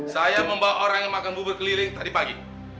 saya membawa orang yang makan bubur keliling tadi pagi